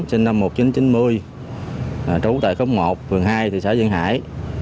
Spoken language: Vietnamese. sinh năm một nghìn chín trăm chín mươi trú tại khóng một phường hai thị xã duyên hải